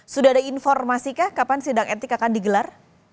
sudah ada informasikah kapan sidang etik akan digelar